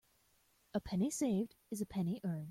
A penny saved is a penny earned.